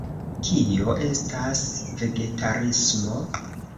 Kio estas vegetarismo?